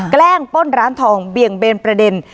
แกล้งป้นร้านทองเบี่ยงเบนประเด็น